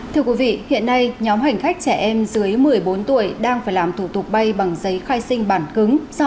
thưa quý vị hiện nay nhóm hành khách trẻ em dưới một mươi bốn tuổi đang phải làm thủ tục bay bằng giấy khai sinh bản cứng